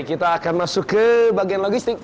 kita akan masuk ke bagian logistik